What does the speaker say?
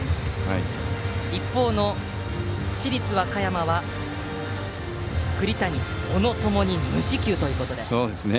一方の市立和歌山は栗谷、小野ともに無四球。